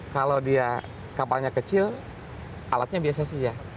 kalau dia kapalnya kecil alatnya biasa saja